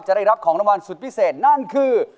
ได้รับของรางวัลสุดพิเศษนั่นคือ